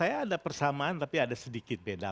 saya ada persamaan tapi ada sedikit beda